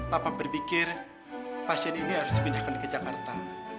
papa berpikir pasien ini harus dipindahkan ke jakarta